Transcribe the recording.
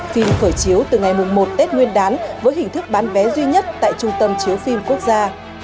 phim khởi chiếu từ ngày một tết nguyên đán với hình thức bán vé duy nhất tại trung tâm chiếu phim quốc gia